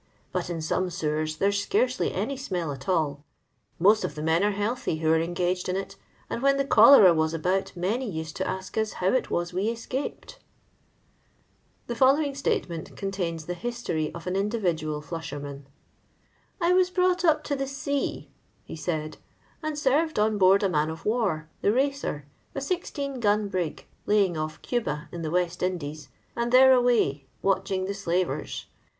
But in some sewers there 's scarcely any smell at all. Afott of the men are healthy who are engaged in it; and whf.n the cholera was al/out many used to ask tw how it teas we escajycd" The following statement contains the history of an individual flushonnan: —" I was brought up to the sea," he said, "and served on board a man of war, the Jlacer, a IG gun brig, laying off Cuba, in the West Indies, and there away, watching the slavers.